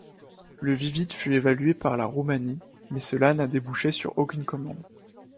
Le Vivid fut évalué par la Roumanie, mais cela n'a débouché sur aucune commande.